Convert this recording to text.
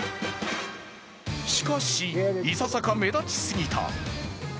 しかし、いささか目立ち過ぎた。